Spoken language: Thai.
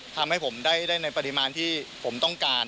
ทำให้ผมได้ในปริมาณที่ผมต้องการ